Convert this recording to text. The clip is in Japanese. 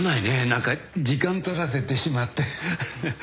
何か時間取らせてしまって。